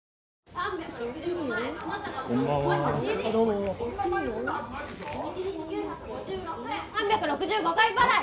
１日９５６円３６５回払い